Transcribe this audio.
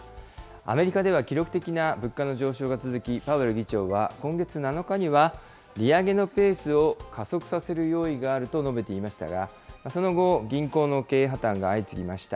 アメリカでは記録的な物価の上昇が続き、パウエル議長は今月７日には、利上げのペースを加速させる用意があると述べていましたが、その後、銀行の経営破綻が相次ぎました。